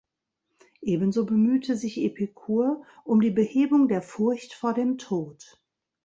Ebenso bemühte sich Epikur um die Behebung der Furcht vor dem Tod.